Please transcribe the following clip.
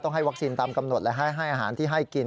ให้วัคซีนตามกำหนดและให้อาหารที่ให้กิน